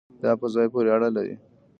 دا په ځای پورې اړه لري